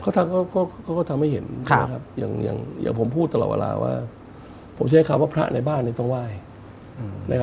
เขาก็ทำให้เห็นนะครับอย่างผมพูดตลอดเวลาว่าผมใช้คำว่าพระในบ้านต้องไหว้